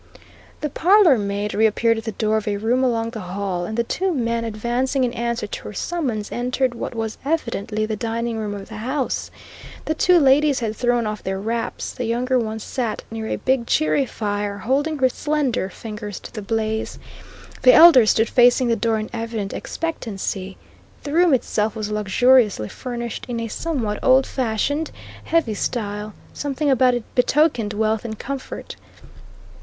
The parlour maid reappeared at the door of a room along the hall; and the two men, advancing in answer to her summons, entered what was evidently the dining room of the house. The two ladies had thrown off their wraps; the younger one sat near a big, cheery fire, holding her slender fingers to the blaze; the elder stood facing the door in evident expectancy. The room itself was luxuriously furnished in a somewhat old fashioned, heavy style; everything about it betokened wealth and comfort.